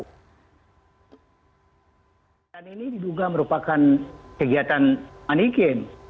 kegiatan ini diduga merupakan kegiatan anikin